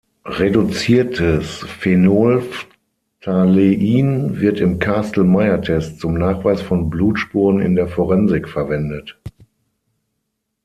Reduziertes Phenolphthalein wird im Kastle-Meyer-Test zum Nachweis von Blutspuren in der Forensik verwendet.